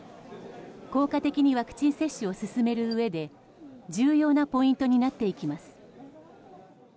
効果的にワクチン接種を進めるうえで重要なポイントになっていきます。